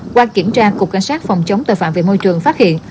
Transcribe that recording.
qua kiểm tra cục cảnh sát phòng chống tội phạm về môi trường phát hiện